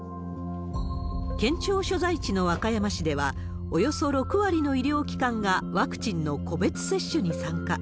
県庁所在地の和歌山市では、およそ６割の医療機関がワクチンの個別接種に参加。